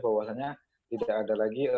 bahwasanya tidak ada lagi